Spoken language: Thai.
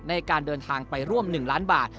ในการเดินทางไปร่วม๑ล้านบาท